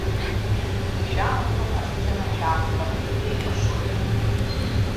Ишәаамҭоуп, асцена шәаақәлар шәкәашоит.